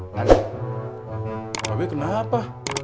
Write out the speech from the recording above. bapak b kenapa